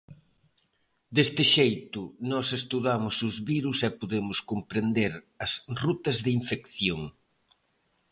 Deste xeito nós estudamos os virus e podemos comprender as rutas de infección.